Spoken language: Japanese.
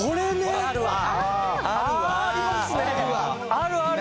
あるある！